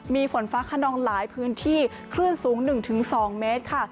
มีฝนฟ้าขนองหลายพื้นที่คลื่นสูง๑๒เมตรค่ะ